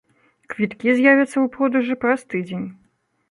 Квіткі з'явяцца ў продажы праз тыдзень.